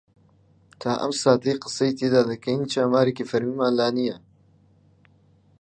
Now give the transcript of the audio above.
تا ئەم ساتەی قسەی تێدا دەکەین هیچ ئامارێکی فەرمیمان لا نییە.